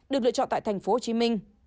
được lựa chọn tại tp hcm